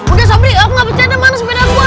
oke sobri aku gak percaya ada mana sepeda gua